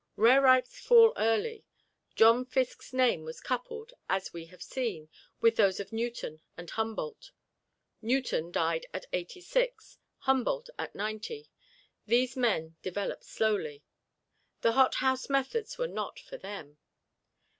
Rareripes fall early. John Fiske's name was coupled, as we have seen, with those of Newton and Humboldt. Newton died at eighty six, Humboldt at ninety. These men developed slowly: the hothouse methods were not for them.